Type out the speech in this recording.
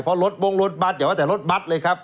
เพราะรถบ้งรถบัตรอย่าว่าแต่รถบัตรเลยครับ